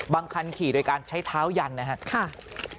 คันขี่โดยการใช้เท้ายันนะครับ